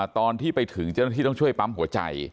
ตอนที่ไปถึงเจ้าหน้าที่ต้องช่วยปั๊มหัวใจ